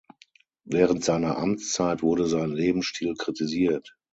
Während seiner Amtszeit wurde sein Lebensstil kritisiert.